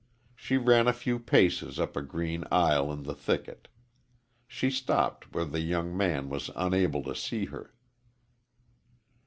She ran a few paces up a green aisle in the thicket. She stopped where the young man was unable to see her.